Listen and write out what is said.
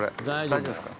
大丈夫ですか？